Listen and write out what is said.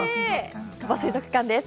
鳥羽水族館です。